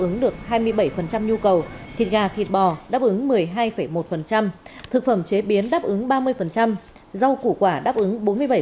ứng được hai mươi bảy nhu cầu thịt gà thịt bò đáp ứng một mươi hai một thực phẩm chế biến đáp ứng ba mươi rau củ quả đáp ứng bốn mươi bảy